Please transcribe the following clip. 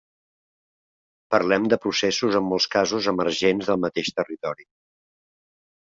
Parlem de processos en molts casos emergents del mateix territori.